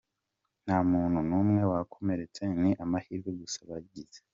Nta muntu numwe wakomeretse, ni amahirwe gusa bagize.